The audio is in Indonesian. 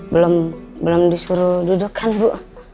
belum belum disuruh dudukan bu